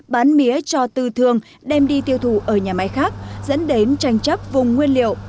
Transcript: bán mía cho tư thương đem đi tiêu thụ ở nhà máy khác dẫn đến tranh chấp vùng nguyên liệu